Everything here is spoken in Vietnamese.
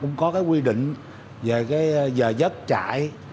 cũng có cái quy định về cái giờ giấc trại